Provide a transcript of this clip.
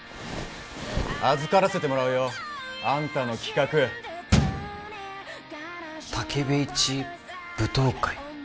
預からせてもらうよあんたの企画建部一武闘会？